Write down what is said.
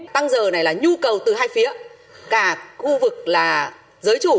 tăng giờ này là nhu cầu từ hai phía cả khu vực là giới chủ